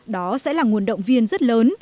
đó sẽ là nguồn động viên rất lớn